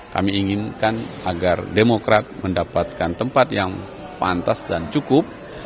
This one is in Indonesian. kami inginkan agar demokrat mendapatkan tempat yang pantas dan cukup